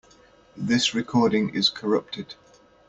This recording is corrupted.